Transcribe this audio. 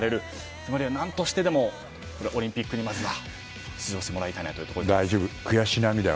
つまりは何としてでもオリンピックにまずは出場してもらいたいなというところです。